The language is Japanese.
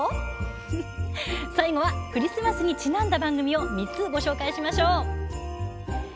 最後はクリスマスにちなんだ番組を３つご紹介しましょう。